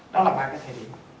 đó là ba cái thời điểm